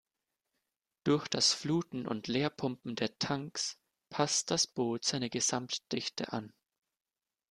Durch das Fluten und Leerpumpen der Tanks passt das Boot seine Gesamtdichte an.